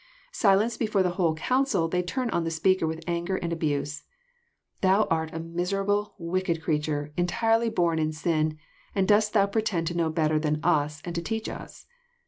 Silenced before the whole council they turn on the speaker with anger and abuse. *< Thou art a miserable, wicked creature, entirely bom in sin, and dost thou pretend to know better than us, and to teach us?"